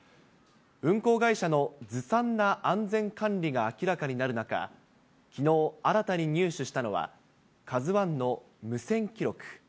運航会社のずさんな安全管理が明らかになる中、きのう、新たに入手したのは、ＫＡＺＵＩの無線記録。